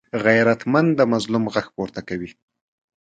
غیرتمند د مظلوم غږ پورته کوي